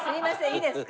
いいですか？